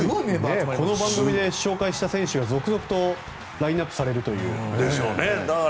この番組で紹介した選手が続々とラインアップされるという。